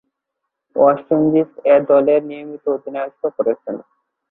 West Indies এ দলের নিয়মিত অধিনায়কত্ব করেছেন।